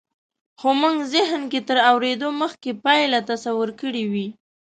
خو مونږ زهن کې تر اورېدو مخکې پایله تصور کړې وي